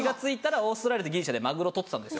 オーストラリアとギリシャでマグロ捕ってたんですよ。